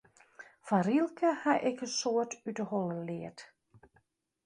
Fan Rilke haw ik in soad út de holle leard.